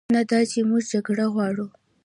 نه دا چې موږ جګړه غواړو،